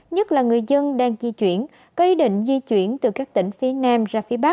nhất là người dân đang di chuyển có ý định di chuyển từ các tỉnh phía nam ra phía bắc